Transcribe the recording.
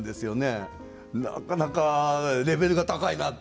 なかなかレベルが高いなって。